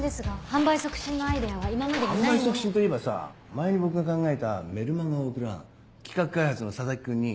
販売促進といえばさ前に僕が考えたメルマガを送る案企画開発の佐々木君に。